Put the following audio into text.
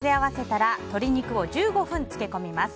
甘酒と塩を混ぜ合わせたら鶏肉を１５分漬け込みます。